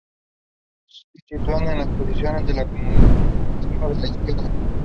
He became only the third rider to win the race in three successive years.